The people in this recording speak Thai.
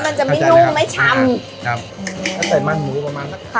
อ๋อเนื้อมันจะไม่นุ่มไม่ชำครับถ้าใส่มันหมูประมาณสักค่ะ